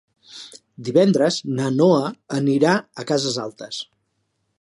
Divendres na Noa anirà a Cases Altes.